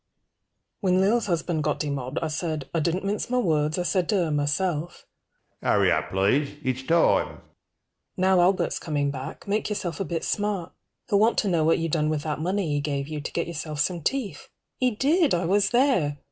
When Lil's husband got demobbed, I said— I didn't mince my words, I said to her myself, 140 HURRY UP PLEASE IT'S TIME Now Albert's coming back, make yourself a bit smart. He'll want to know what you done with that money he gave you To get yourself some teeth. He did, I was there.